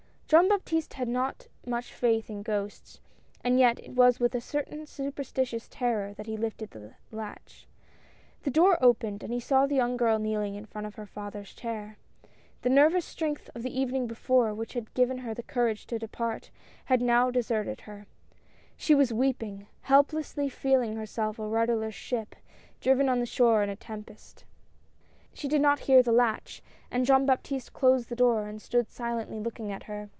Jean Baptiste had not much faith in ghosts, and yet it was with a certain superstitious terror that he lifted the latch. The door opened and he saw the young girl kneeling in front of her father's chair. The nervous strength of the evening before, which had given her the courage to depart, had now deserted her — she was weeping, helplessly feeling herself a rudderless ship, driven on the shore in a tempest. 190 THE RETURN. She did not hear the latch, and Jean Baptiste closed the door and stood silently looking at her.